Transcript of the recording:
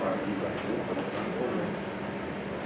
dulu dulunya kan gak